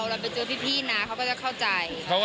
เราไปเจอพี่นะเขาก็จะเข้าใจ